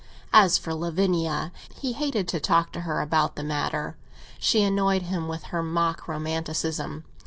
As for Lavinia, he hated to talk to her about the matter; she annoyed him with her mock romanticism.